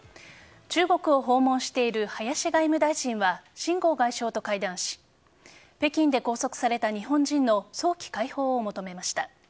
中国を訪問している林外務大臣はシン・ゴウ外相と会談し北京で拘束された日本人の早期解放を求めました。